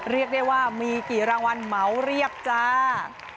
เรียกได้ว่ามีกี่รางวัลเหมาเรียบจ้า